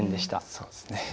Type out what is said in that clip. そうですね。